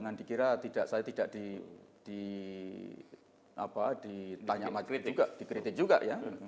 jangan dikira saya tidak ditanya dikritik juga ya